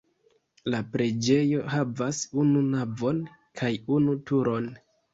La preĝejo havas unu navon kaj unu turon.